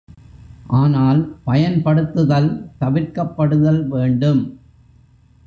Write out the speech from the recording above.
ஆனால், பயன்படுத்துதல் தவிர்க்கப்படுதல் வேண்டும்.